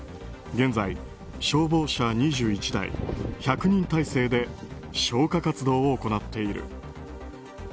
現在、消防車２１台１００人態勢で消火活動を行っている。